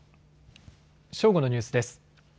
正午のニュースです。